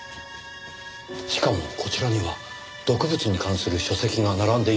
しかもこちらには毒物に関する書籍が並んでいますよ。